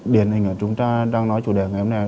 điển hình ở chúng ta đang nói chủ đề ngày hôm nay